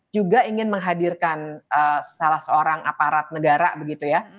juga ingin menghadirkan salah seorang aparat negara begitu ya